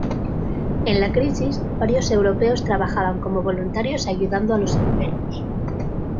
En la crisis, varios europeos trabajaban como voluntarios ayudando a los enfermos.